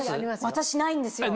私ないんですよ